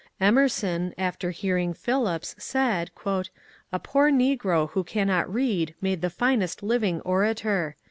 Emerson after hearing Phillips said, ^^ A poor negro who can not read made the finest living orator.